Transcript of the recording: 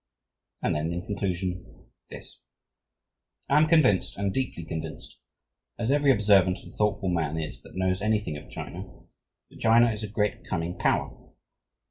And then, in conclusion, this: "I am convinced, and deeply convinced, as every observant and thoughtful man is that knows anything of China, that China is a great coming power.